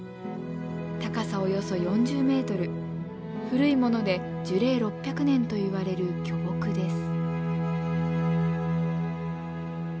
高さおよそ４０メートル古いもので樹齢６００年といわれる巨木です。